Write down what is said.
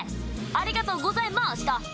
ありがとうございマシタ！